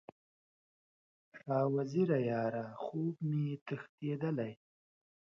شاه وزیره یاره، خوب مې تښتیدلی